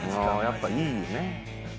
やっぱいいよね。